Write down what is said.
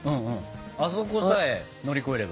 あそこさえ乗り越えれば。